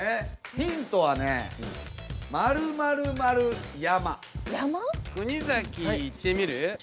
ヒントはね国崎いってみる？